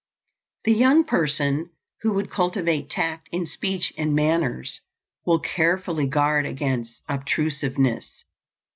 The young person who would cultivate tact in speech and manners will carefully guard against obtrusiveness.